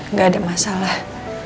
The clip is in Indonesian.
nggak ada masalah